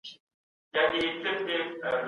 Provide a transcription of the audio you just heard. وطن د هر نسل لپاره د ویاړ ځای دی.